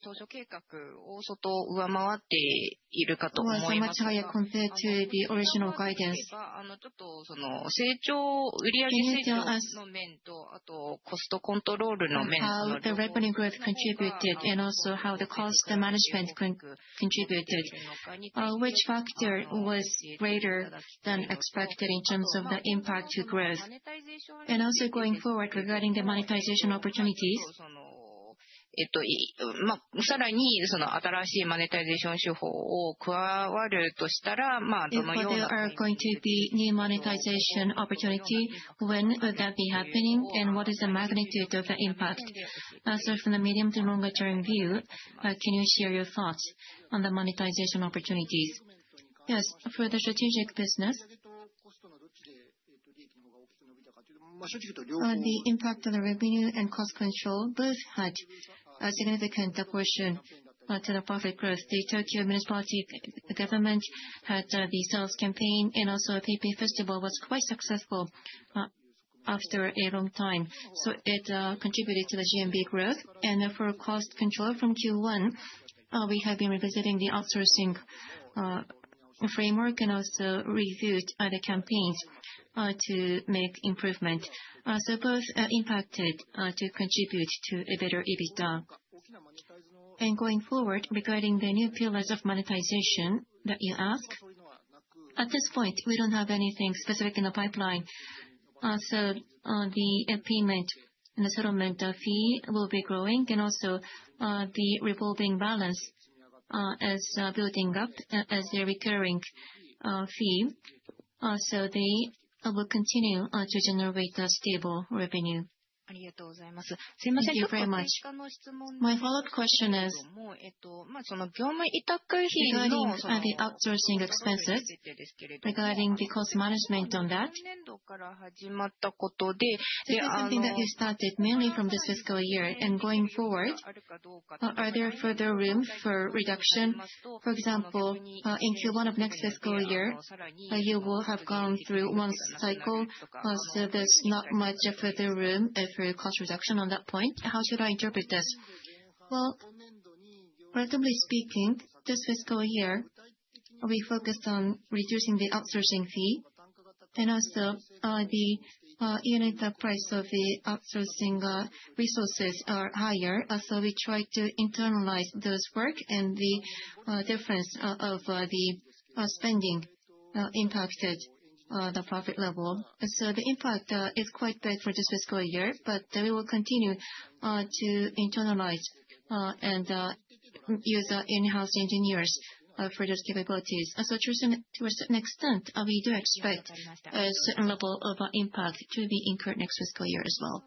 当初計画を。上回っているかと思います。Much higher compared to the original guidance. control. How the revenue growth contributed and also how the cost management contributed, which factor was greater than expected in terms of the impact to growth. And also going forward regarding the monetization opportunities. Furthermore, if new monetization methods are added, what would they be. What are going to be new monetization opportunities? When would that be happening, and what is the magnitude of the impact? So from the medium to longer-term view, can you share your thoughts on the monetization opportunities? Yes, for the strategic business, in terms of which of the revenue or cost contributed more to the profit growth, to be honest, both. The impact on the revenue and cost control both had a significant portion to the profit growth. The Tokyo Metropolitan Government had the sales campaign, and also PP Festival was quite successful after a long time. So it contributed to the GMV growth. And for cost control from Q1, we have been revisiting the outsourcing framework and also reviewed other campaigns to make improvements. So both impacted to contribute to a better EBITDA. And going forward, regarding the new pillars of monetization that you ask, at this point, we don't have anything specific in the pipeline. So the payment and the settlement fee will be growing, and also the revolving balance is building up as a recurring fee. So they will continue to generate a stable revenue. ありがとうございます。Thank you very much. My follow-up question is, 業務委託費の regarding the outsourcing expenses, regarding the cost management on that. で I think that it started mainly from this fiscal year. And going forward, are there further rooms for reduction? For example, in Q1 of next fiscal year, you will have gone through one cycle, so there's not much further room for cost reduction on that point. How should I interpret this? Well, relatively speaking, this fiscal year, we focused on reducing the outsourcing fee, and also the unit price of the outsourcing resources are higher. So we tried to internalize those work, and the difference of the spending impacted the profit level. So the impact is quite big for this fiscal year, but we will continue to internalize and use in-house engineers for those capabilities. So to a certain extent, we do expect a certain level of impact to be incurred next fiscal year as well.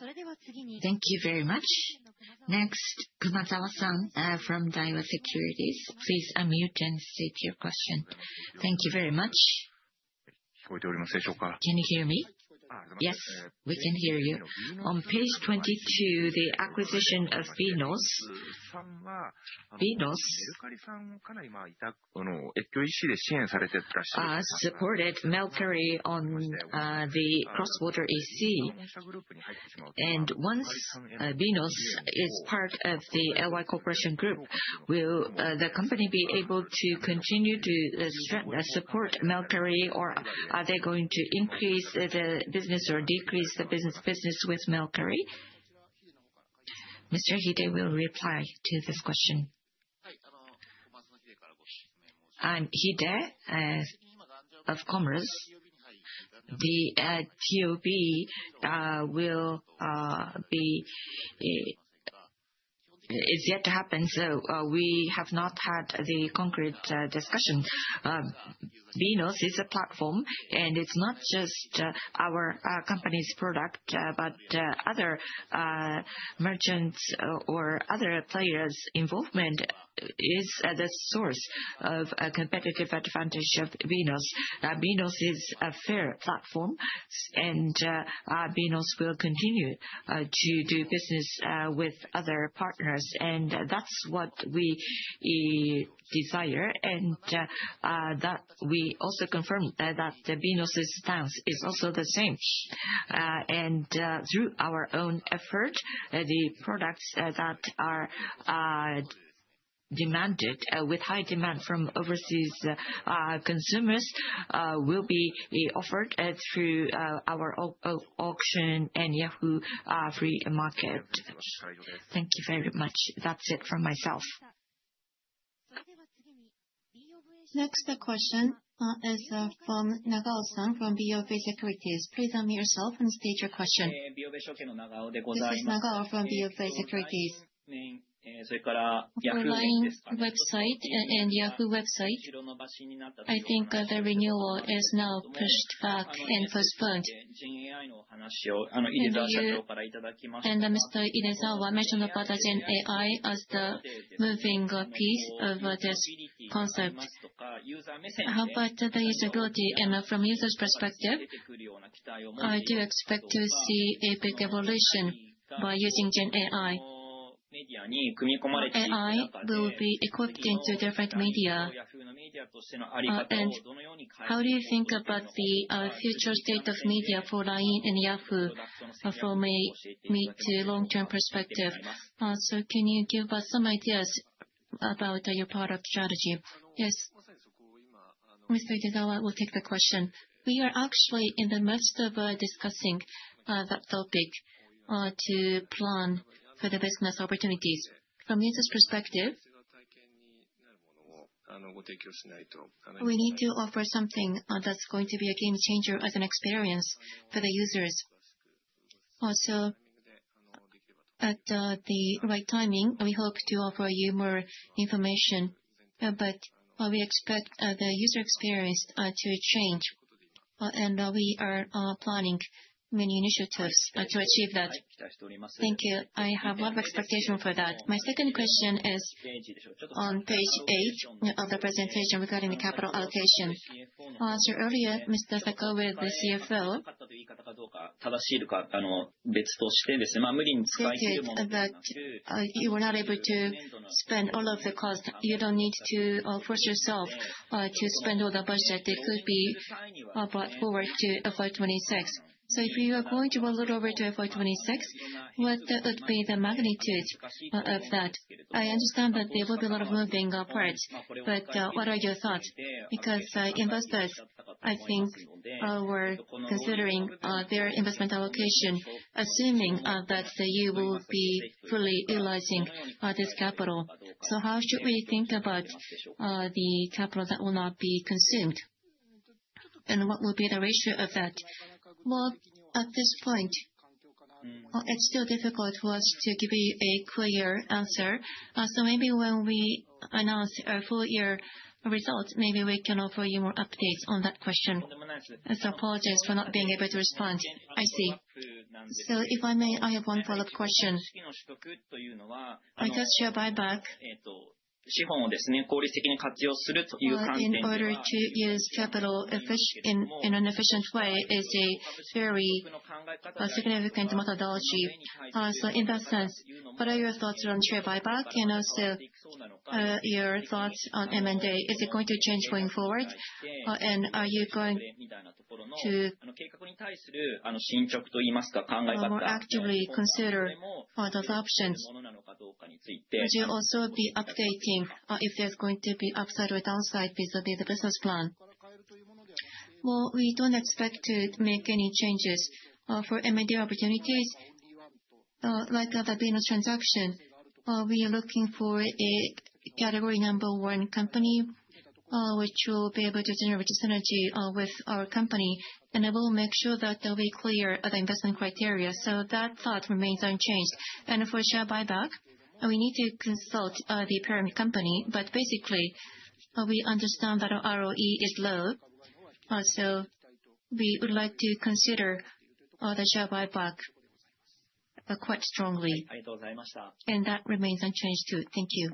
それでは次に. Thank you very much. Next, Kumazawa-san from Daiwa Securities. Please unmute and state your question. Thank you very much. 聞こえておりますでしょうか. Can you hear me? Yes, we can hear you. On page 22, the acquisition of BEENOS. さんは. BEENOS. メルカリさんをかなり委託、cross-border ECで支援されてるらしいです. Supported Mercari on the cross-border EC. Once BEENOS is part of the LY Corporation Group, will the company be able to continue to support Mercari, or are they going to increase the business or decrease the business with Mercari? Mr. Hide will reply to this question. はい、小松の秀からご質問を. I'm Hide of Commerce. The TOB will be. It's yet to happen, so we have not had the concrete discussion. BEENOS is a platform, and it's not just our company's product, but other merchants or other players' involvement is the source of a competitive advantage of BEENOS. BEENOS is a fair platform, and BEENOS will continue to do business with other partners. That's what we desire, and we also confirm that BEENOS's stance is also the same. Through our own effort, the products that are demanded, with high demand from overseas consumers, will be offered through our auction and Yahoo! Japan Flea Market. Thank you very much. That's it from myself. それでは次に Next, the question is from Nagao-san from BofA Securities. Please unmute yourself and state your question. ビオベ証券の長尾でございます。This is Nagao from BofA Securities. それからYahooですか。Online website and Yahoo website. I think the renewal is now pushed back and postponed. お話をイデザ社長からいただきました。Mr. Idezawa mentioned about the GenAI as the moving piece of this concept. How about the usability? From a user's perspective, I do expect to see a big evolution by using GenAI. GenAI will be equipped into different media. How do you think about the future state of media for Line and Yahoo from a mid to long-term perspective? Can you give us some ideas about your product strategy? Yes. Mr. Idezawa will take the question. We are actually in the midst of discussing that topic to plan for the business opportunities. From a user's perspective, we need to offer something that's going to be a game changer as an experience for the users. Also, at the right timing, we hope to offer you more information, but we expect the user experience to change. And we are planning many initiatives to achieve that. Thank you. I have a lot of expectations for that. My second question is on page 8 of the presentation regarding the capital allocation. As you earlier, Mr. Sakaue, the CFO, 正しいか別として無理に使い切るもの. That you were not able to spend all of the cost. You don't need to force yourself to spend all the budget that could be brought forward to FY26. So if you are going to a little over to FY26, what would be the magnitude of that? I understand that there will be a lot of moving parts, but what are your thoughts? Because investors, I think, are considering their investment allocation, assuming that you will be fully utilizing this capital. So how should we think about the capital that will not be consumed? And what will be the ratio of that? Well, at this point, it's still difficult for us to give you a clear answer. So maybe when we announce our full-year results, maybe we can offer you more updates on that question. So apologies for not being able to respond. I see. So if I may, I have one follow-up question. I guess share buyback. 資本を効率的に活用するという観点。In order to use capital in an efficient way is a very significant methodology. So in that sense, what are your thoughts around share buyback and also your thoughts on M&A? Is it going to change going forward? And are you going to 進捗と言いますか、考え方。You will actively consider those options. Would you also be updating if there's going to be upside or downside vis-à-vis the business plan? Well, we don't expect to make any changes. For M&A opportunities, like the BEENOS transaction, we are looking for a category number one company which will be able to generate synergy with our company. And we'll make sure that we clear the investment criteria. So that thought remains unchanged. For share buyback, we need to consult the parent company. But basically, we understand that our ROE is low. So we would like to consider the share buyback quite strongly. And that remains unchanged too. Thank you.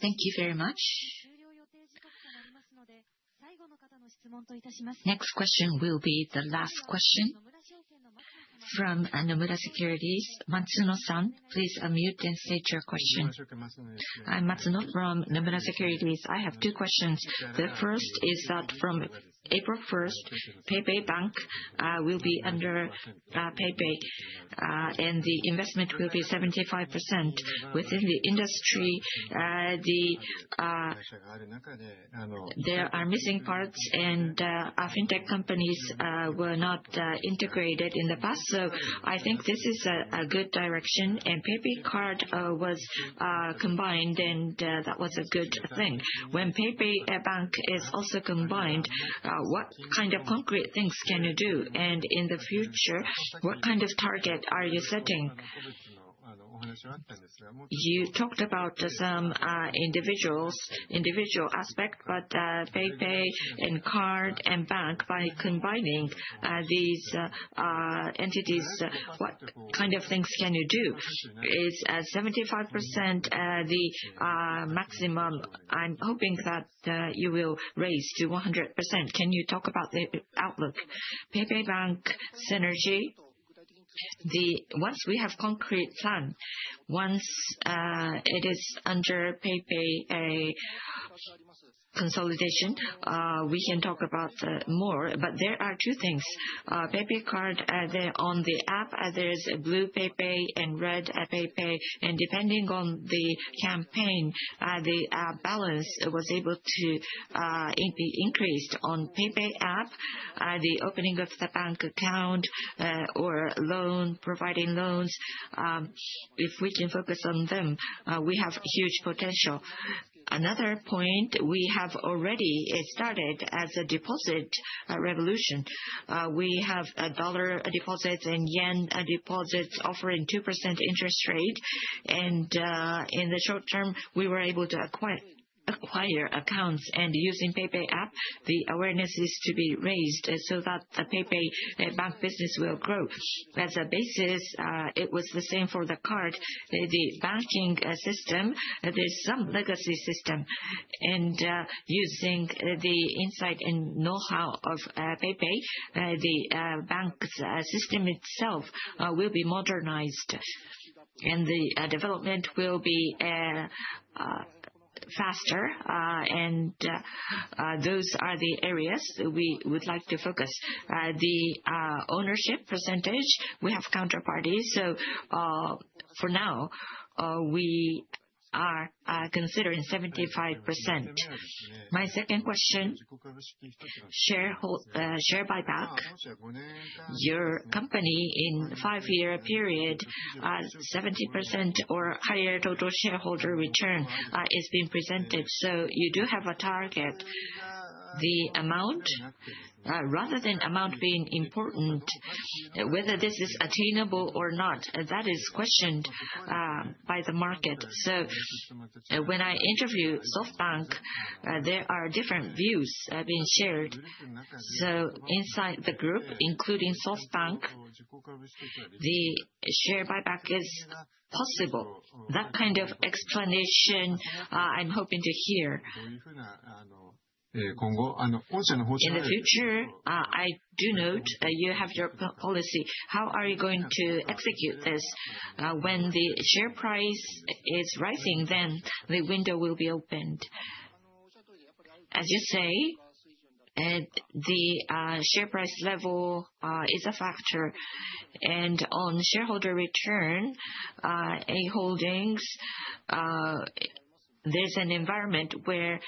Thank you very much. 終了予定時刻となりますので、最後の方の質問といたします。Next question will be the last question from Nomura Securities. Matsuno-san, please unmute and state your question. I'm Matsuno from Nomura Securities. I have two questions. The first is that from April 1st, PayPay Bank will be under PayPay, and the investment will be 75% within the industry. There are missing parts, and fintech companies were not integrated in the past. So I think this is a good direction. PayPay Card was combined, and that was a good thing. When PayPay Bank is also combined, what kind of concrete things can you do? And in the future, what kind of target are you setting? You talked about some individual aspects, but PayPay and Card and Bank, by combining these entities, what kind of things can you do? Is 75% the maximum? I'm hoping that you will raise to 100%. Can you talk about the outlook? PayPay Bank synergy. Once we have a concrete plan, once it is under PayPay consolidation, we can talk about more. But there are two things. PayPay Card on the app, there's a blue PayPay and red PayPay. Depending on the campaign, the balance was able to be increased on the PayPay app, the opening of the bank account or providing loans. If we can focus on them, we have huge potential. Another point, we have already started as a deposit revolution. We have dollar deposits and yen deposits offering 2% interest rate. In the short term, we were able to acquire accounts. Using the PayPay app, the awareness is to be raised so that the PayPay Bank business will grow. As a basis, it was the same for the card. The banking system, there's some legacy system. Using the insight and know-how of PayPay, the bank's system itself will be modernized. The development will be faster. Those are the areas we would like to focus. The ownership percentage, we have counterparties. So for now, we are considering 75%. My second question, share buyback. Your company in a five-year period, 70% or higher total shareholder return is being presented. So you do have a target. The amount, rather than amount being important, whether this is attainable or not, that is questioned by the market. So when I interview SoftBank, there are different views being shared. So inside the group, including SoftBank, the share buyback is possible. That kind of explanation I'm hoping to hear. In the future, I do note you have your policy. How are you going to execute this? When the share price is rising, then the window will be opened. As you say, the share price level is a factor. And on shareholder return, A Holdings, there's an environment where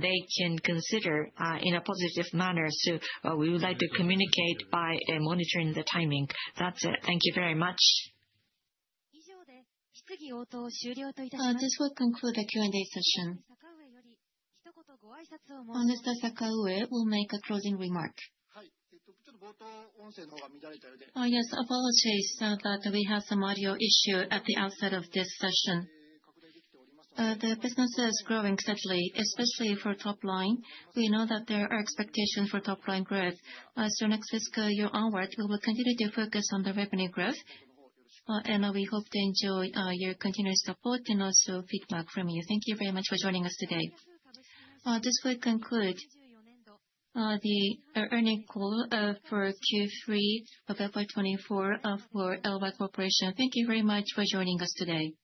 they can consider in a positive manner. So we would like to communicate by monitoring the timing. That's it. Thank you very much. 質疑応答を終了といたします。This will conclude the Q&A session. さかうえより一言ご挨拶を申し上げます。Mr. Sakaue will make a closing remark. はい、ちょっと冒頭音声の方が乱れたようで。Yes, apologies that we have some audio issue at the outset of this session. The business is growing steadily, especially for top line. We know that there are expectations for top line growth. So next fiscal year onward, we will continue to focus on the revenue growth. And we hope to enjoy your continued support and also feedback from you. Thank you very much for joining us today. This will conclude the earnings call for Q3 of FY24 for LY Corporation. Thank you very much for joining us today.